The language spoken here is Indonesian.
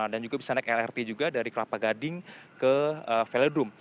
dan juga bisa naik lrt juga dari kelapa gading ke velodrome